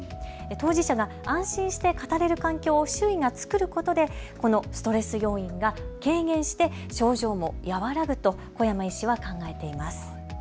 当事者が安心して語れる環境を周囲が作ることで、このストレス要因が軽減して症状も和らぐと小山医師は考えています。